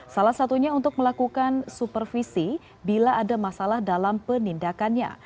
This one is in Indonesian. salah satunya untuk melakukan supervisi bila ada masalah dalam penindakannya